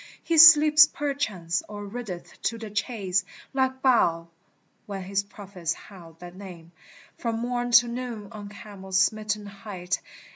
" He sleeps perchance, or rideth to the chase, Like Baal, when his prophets howled that name From morn to noon on Carmel's smitten height."